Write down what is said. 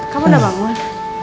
kamu udah bangun